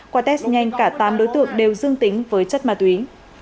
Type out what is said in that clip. qua test nhanh cả tám đối tượng đều dương tính với chất ma túy